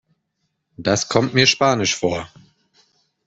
Das kommt mir spanisch vor.